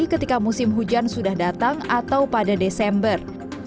ketika musim hujan sudah datang atau pada desember